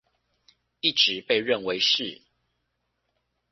一直被認為是